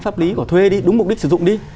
pháp lý của thuê đi đúng mục đích sử dụng đi